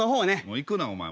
もう行くなお前